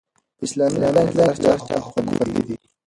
په اسلامي نظام کې د هر چا حقوق خوندي دي.